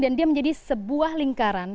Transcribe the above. dan dia menjadi sebuah lingkaran